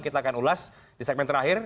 kita akan ulas di segmen terakhir